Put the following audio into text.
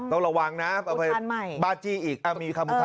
ต้องระวังนะอุทานใหม่